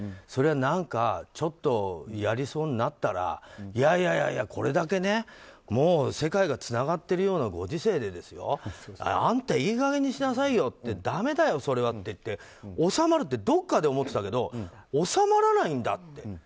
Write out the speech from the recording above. それは何かちょっとやりそうになったらいやいや、これだけ世界がつながってるようなご時世であんた、いい加減にしなさいよだめだよ、それはって言って、収まるってどこかで思ってたけど収まらないんだって。